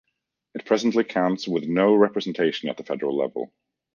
It presently counts with no representation at the federal level.